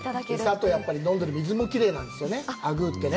餌とやっぱり飲んでる水もきれいなんですよね、あぐーってね。